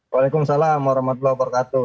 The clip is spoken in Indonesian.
waalaikumsalam warahmatullahi wabarakatuh